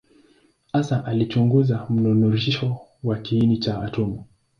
Hasa alichunguza mnururisho wa kiini cha atomu.